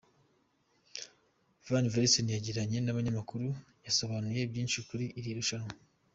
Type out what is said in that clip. van Velzen yagiranye nabanyamakuru yasobanuye byinshi kuri iri rushanwa.